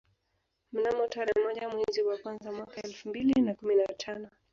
Mnamo tarehe moja mwezi wa kwanza mwaka elfu mbili na kumi na tano